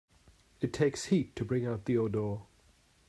It takes heat to bring out the odor.